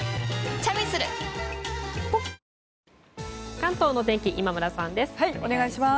関東の天気今村さんです。